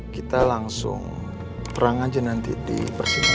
kita langsung perang aja nanti di persidangan